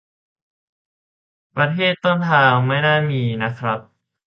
ประเทศต้นทางไม่น่ามีนะครับ